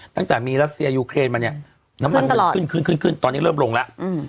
ตั้งแต่มีรัสเซียอูเครนมาเนี่ยน้ำมันเงินขึ้นตอนนี้เริ่มลงละ